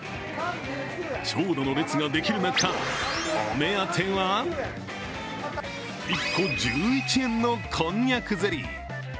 長蛇の列ができる中、お目当ては１個１１円のこんにゃくゼリー。